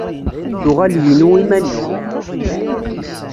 Tuɣal yinu iman-iw.